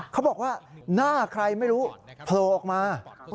เขาบอกว่าหน้าใครไม่รู้โผล่ออกมา